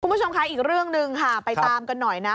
คุณผู้ชมคะอีกเรื่องหนึ่งค่ะไปตามกันหน่อยนะ